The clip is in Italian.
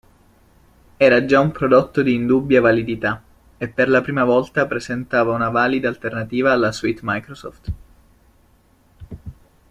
Era già un prodotto di indubbia validità e per la prima volta presentava una valida alternativa alla suite Microsoft.